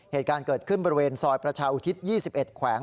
เหตุการณ์เกิดขึ้นบริเวณซอยประชาอุทิศ๒๑แขวง